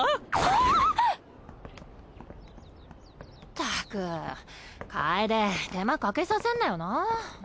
ったく楓手間かけさせんなよなぁ。